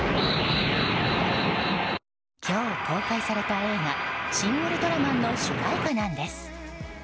今日公開された映画「シン・ウルトラマン」の主題歌なんです。